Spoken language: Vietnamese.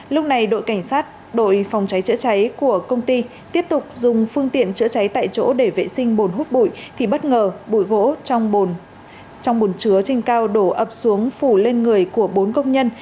lúc này đội cảnh sát đội phòng cháy chữa cháy của công ty tiếp tục dùng phương tiện chữa cháy tại chỗ để vệ sinh bồn hút bụi thì bất ngờ bùi gỗ trong bồn chứa trên cao đổ ập xuống phủ lên người của bốn công nhân